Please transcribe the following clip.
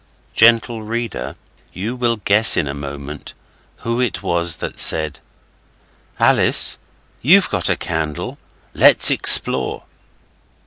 Gentle reader, you will guess in a moment who it was that said 'Alice, you've got a candle. Let's explore.